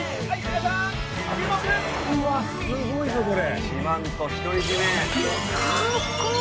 うわ、すごいぞ、これ！